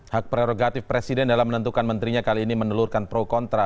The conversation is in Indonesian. hak prerogatif presiden dalam menentukan menterinya kali ini menelurkan pro kontra